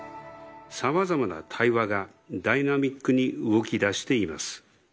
さまざまな対話が、ダイナミックに動きだしています。